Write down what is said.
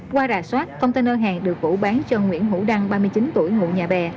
qua rà soát container hàng được vũ bán cho nguyễn hữu đăng ba mươi chín tuổi ngụ nhà bè